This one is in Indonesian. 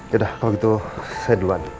yaudah kalau gitu saya duluan